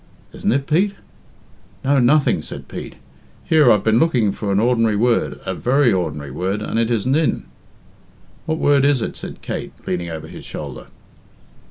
"Isn't it. Pete?" "No, nothing," said Pete. "Here I've been looking for an ordinary word a very ordinary word and it isn't in." "What word is it?" said Elate, leaning over his shoulder.